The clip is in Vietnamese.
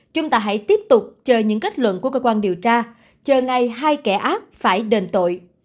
chúng ta hãy tiếp tục chờ những kết luận của cơ quan điều tra chờ ngày hai kẻ ác phải đền tội